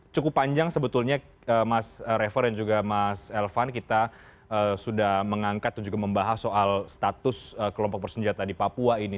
cukup panjang sebetulnya mas revo dan juga mas elvan kita sudah mengangkat dan juga membahas soal status kelompok bersenjata di papua ini